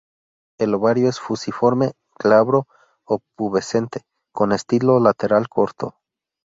El ovario es fusiforme, glabro o pubescente, con estilo lateral corto.